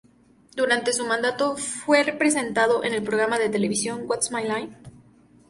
Durante su mandato, fue presentado en el programa de televisión "What's My Line?